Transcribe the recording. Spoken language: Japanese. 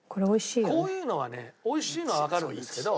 こういうのはね美味しいのはわかるんですけど。